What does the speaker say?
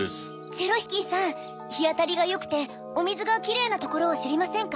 チェロヒキーさんひあたりがよくておみずがキレイなところをしりませんか？